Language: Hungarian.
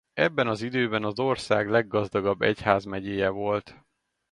Ebben az időben az ország leggazdagabb egyházmegyéje volt.